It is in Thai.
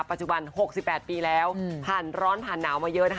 ปัจจุบัน๖๘ปีแล้วผ่านร้อนผ่านหนาวมาเยอะนะคะ